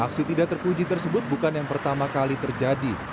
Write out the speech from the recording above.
aksi tidak terpuji tersebut bukan yang pertama kali terjadi